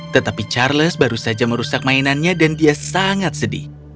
tetapi charles baru saja merusak mainannya dan dia sangat sedih